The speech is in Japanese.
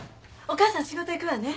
お母さん仕事行くわね。